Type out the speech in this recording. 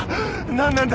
何なんだ！？